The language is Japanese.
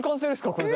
これで。